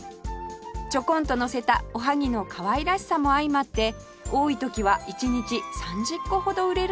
ちょこんとのせたおはぎのかわいらしさも相まって多い時は１日３０個ほど売れるのだとか